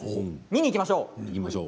見に行きましょう。